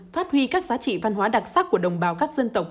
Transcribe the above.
phát huy các giá trị văn hóa đặc sắc của đồng bào các dân tộc